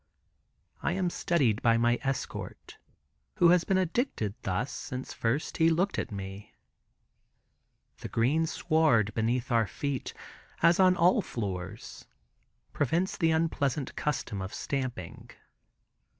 I am studied by my escort, who has been addicted thus, since first he looked at me. The green sward beneath our feet, as on all floors, prevents the unpleasant custom of stamping.